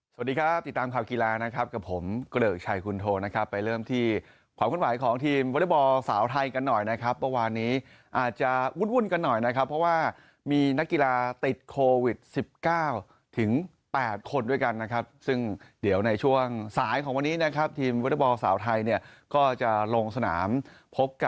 สวัสดีครับติดตามข่าวกีฬานะครับกับผมเกริกชัยคุณโทนะครับไปเริ่มที่ความขึ้นไหวของทีมวอเล็กบอลสาวไทยกันหน่อยนะครับเมื่อวานนี้อาจจะวุ่นกันหน่อยนะครับเพราะว่ามีนักกีฬาติดโควิด๑๙ถึง๘คนด้วยกันนะครับซึ่งเดี๋ยวในช่วงสายของวันนี้นะครับทีมวอเตอร์บอลสาวไทยเนี่ยก็จะลงสนามพบกับ